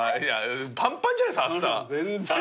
パンパンじゃないですか厚さ。